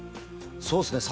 そうですね